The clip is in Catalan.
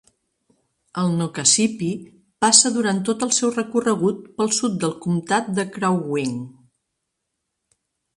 El Nokasippi passa durant tot el seu recorregut pel sud del comtat de Crow Wing.